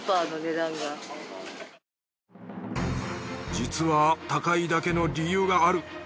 実は高いだけの理由がある。